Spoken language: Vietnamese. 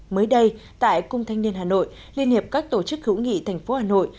mới đây tại cung thanh niên hà nội liên hiệp các tổ chức hữu nghị thành phố hà nội